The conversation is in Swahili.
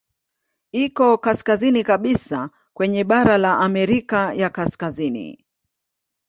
Iko kaskazini kabisa kwenye bara la Amerika ya Kaskazini.